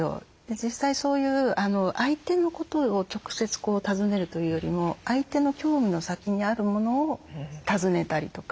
実際そういう相手のことを直接尋ねるというよりも相手の興味の先にある物を尋ねたりとか。